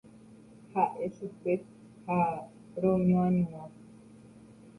Ha'e chupe ha roñoañua.